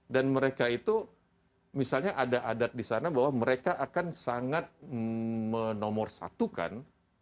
dan mereka itu misalnya ada adat disana bahwa mereka akan sangat menomor satukan